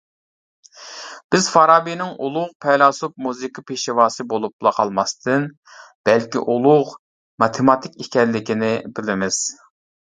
بىز فارابىنىڭ ئۇلۇغ پەيلاسوپ مۇزىكا پېشۋاسى بولۇپلا قالماستىن، بەلكى ئۇلۇغ ماتېماتىك ئىكەنلىكىنى بىلىمىز.